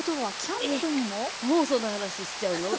もうその話しちゃうの？